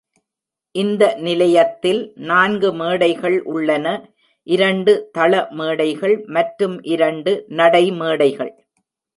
இந்த நிலையத்தில் நான்கு மேடைகள் உள்ளன - இரண்டு தள மேடைகள் மற்றும் இரண்டு நடை மேடைகள்.